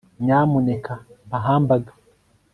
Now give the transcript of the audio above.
nyamuneka mpa hamburger